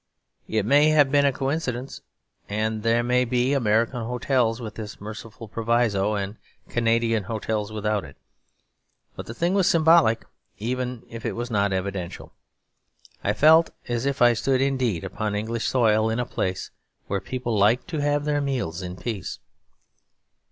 It may have been a coincidence, and there may be American hotels with this merciful proviso and Canadian hotels without it; but the thing was symbolic even if it was not evidential. I felt as if I stood indeed upon English soil, in a place where people liked to have their meals in peace.